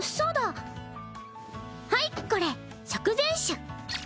はいこれ食前酒。